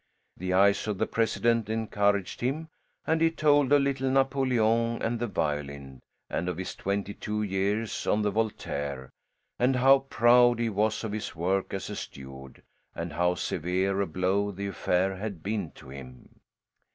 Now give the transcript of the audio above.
The eyes of the president encouraged him, and he told of little Napoleon and the violin, and of his twenty two years on the Voltaire and how proud he was of his work as a steward, and how severe a blow the affair had been to him.